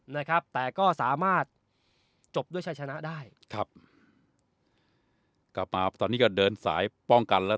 นะครับแต่ก็สามารถจบด้วยชายชนะได้ครับกลับมาตอนนี้ก็เดินสายป้องกันแล้ว